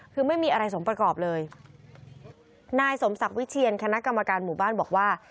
คือไม่มีอะไรสมประกอบเลยนายสมศักดิ์วิเชียนคณะกรรมการหมู่บ้านบอกว่า